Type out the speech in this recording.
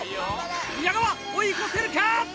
宮川追い越せるか？